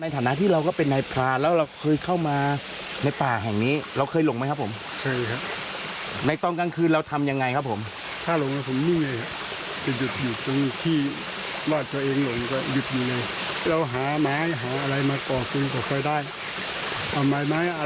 เท่าไหร่ครับพันไดตลอดเลยค่ะ